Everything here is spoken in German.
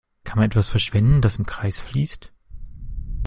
Kann man etwas verschwenden, das im Kreis fließt?